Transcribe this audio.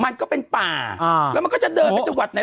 มันก็เป็นป่าอ่าแล้วมันก็จะเดินไปจังหวัดไหน